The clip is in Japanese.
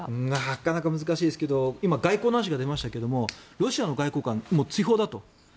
なかなか難しいですけど今、外交の話が出ましたがロシアの外交官もう追放だと。